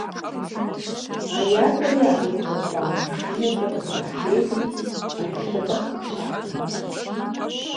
А ятӏэри абы хуэщӏа машинэкӏэ къыдрахьейри, гъэтӏылъыпӏэхэм щахъумэ.